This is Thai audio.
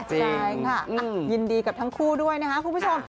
ใช่ค่ะยินดีกับทั้งคู่ด้วยนะคะคุณผู้ชม